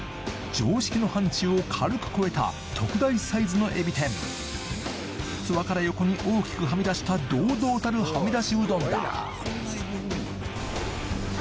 常識の範疇を軽く超えた特大サイズの海老天器から横に大きくはみ出した堂々たるはみだしうどんだ